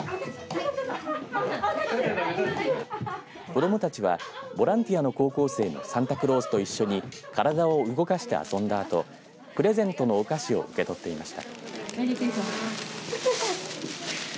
子どもたちはボランティアの高校生のサンタクロースと一緒に体を動かして遊んだあとプレゼントのお菓子を受け取っていました。